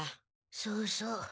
そうそう。